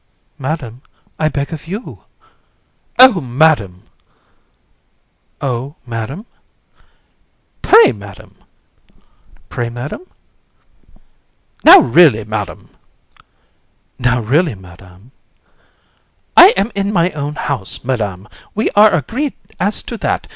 Madam, I beg of you! COUN. Oh! Madam! JU. Oh! Madam! COUN. Pray, Madam! JU. Pray, Madam! COUN. Now really, Madam! JU. Now really, Madam! COUN. I am in my own house, Madam! We are agreed as to that.